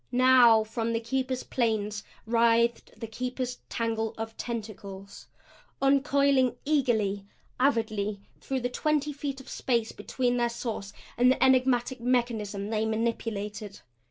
Now from the Keeper's planes writhed the Keeper's tangle of tentacles, uncoiling eagerly, avidly, through the twenty feet of space between their source and the enigmatic mechanism they manipulated.